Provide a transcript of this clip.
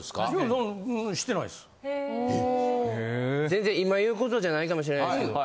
全然今言う事じゃないかもしれないですけど。